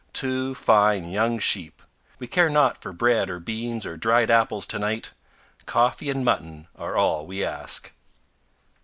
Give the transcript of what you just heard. Two fine young sheep! We care not for bread or beans or dried apples to night; coffee and mutton are all we ask.